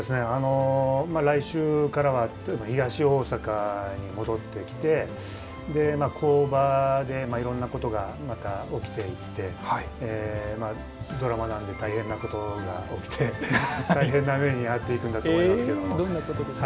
来週からは東大阪に戻ってきて工場でいろんなことがまた起きていってドラマなので大変なことが起きて大変な目に遭っていたんだと思いますけども。